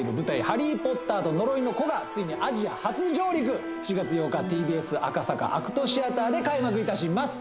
「ハリー・ポッターと呪いの子」がついにアジア初上陸７月８日ＴＢＳ赤坂ＡＣＴシアターで開幕いたします